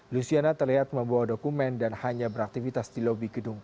luciana terlihat membawa dokumen dan hanya beraktivitas di lobi gedung kpk